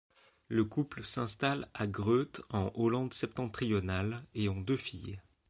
Le couple s’installe à Groet en Hollande-Septentrionale et ont deux filles.